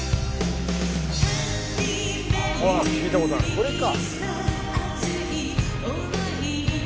これか。